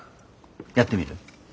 やってみる？